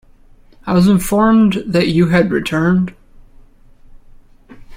I was informed that you had returned.